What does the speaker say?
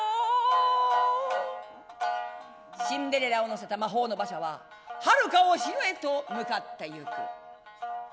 シンデレラを乗せた魔法の馬車ははるかお城へと向かってゆく。